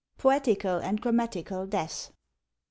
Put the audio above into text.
] POETICAL AND GRAMMATICAL DEATHS.